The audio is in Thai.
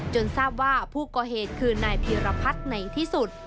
ทราบว่าผู้ก่อเหตุคือนายพีรพัฒน์ในที่สุด